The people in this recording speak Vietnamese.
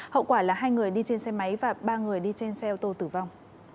hậu quả là hai người đi trên xe máy và ba người đi trên xe ô tô tử vong